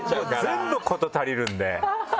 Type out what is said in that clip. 全部事足りるんで。